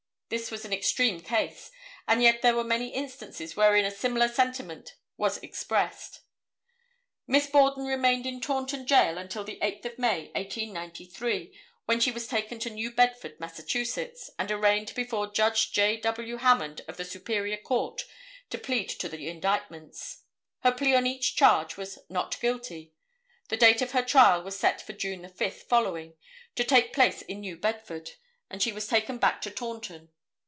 This was an extreme case, and yet there were many instances wherein a similar sentiment was expressed. Miss Borden remained in Taunton Jail until the 8th of May, 1893, when she was taken to New Bedford, Mass., and arraigned before Judge J. W. Hammond of the Superior Court to plead to the indictments. Her plea on each charge was "not guilty." The date of her trial was set for June 5 following, to take place in New Bedford—and she was taken back to Taunton.